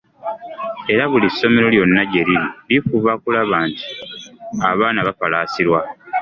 Era buli ssomero lyonna gye liri, lifuba okulaba nti abaana bafalaasirwa